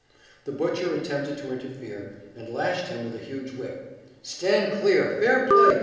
The butcher attempted to interfere, and lashed him with a huge whip. "Stand clear! fair play!